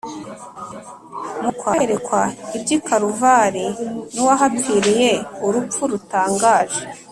Mu kwerekwa iby’i Kaluvari n’uwahapfiriye urupfu rutangaje,